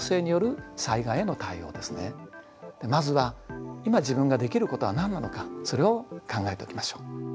まずは今自分ができることは何なのかそれを考えておきましょう。